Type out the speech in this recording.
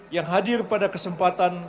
yang hadir pada kesempatan